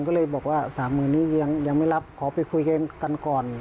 ก็เลยบอกว่า๓๐๐๐นี้ยังไม่รับขอไปคุยกันก่อน